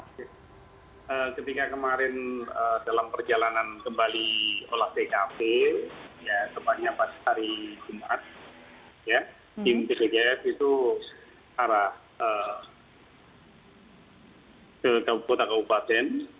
ketika kemarin dalam perjalanan kembali olah tkp tempatnya pas hari jumat tim tgpf itu arah ke kota kabupaten